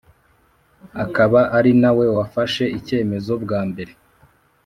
akaba ari nawe wafashe icyemzo bwa mbere